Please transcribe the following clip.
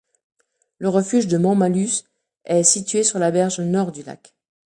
Le refuge de Montmalús est situé sur la berge nord du lac.